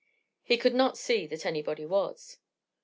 He could not see that anybody was.